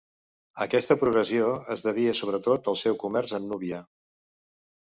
Aquesta progressió es devia sobretot al seu comerç amb Núbia.